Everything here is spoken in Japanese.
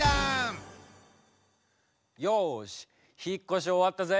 よし引っ越し終わったぜ。